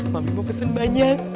mami mau pesen banyak